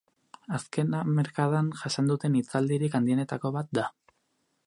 Azken hamarkadan jasan duten itzalaldirik handienetako bat da.